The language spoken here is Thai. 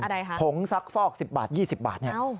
อะไรคะพงสักฟอก๑๐บาท๒๐บาท